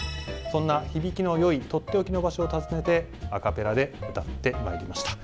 そんな響きのよいとっておきの場所を訪ねてアカペラで歌ってまいりました。